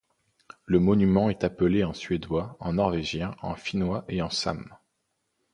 Le monument est appelé en suédois, en norvégien, en finnois et en same.